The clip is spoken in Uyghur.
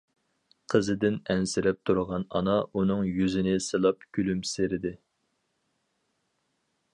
قىزىدىن ئەنسىرەپ تۇرغان ئانا ئۇنىڭ يۈزىنى سىلاپ كۈلۈمسىرىدى.